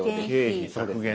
経費削減だ。